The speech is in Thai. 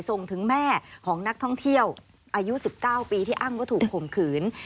ส่งถึงแม่ของนักท่องเที่ยวอายุ๑๙ปีที่อ้างว่าถูกข่มขืน